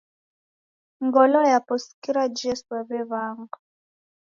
Ngolo yapo sikira Jesu waw'ew'anga.